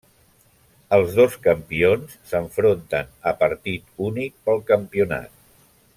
Els dos campions s'enfronten a partit únic pel campionat.